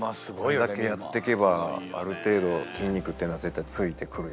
こんだけやってけばある程度筋肉っていうのは絶対ついてくるので。